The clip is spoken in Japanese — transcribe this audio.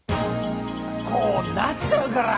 こうなっちゃうから！